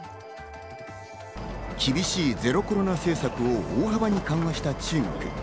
厳しいゼロコロナ政策を大幅に緩和した中国。